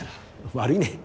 悪いね。